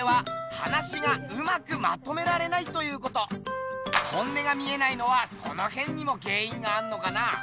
でも本音が見えないのはそのへんにも原因があんのかな。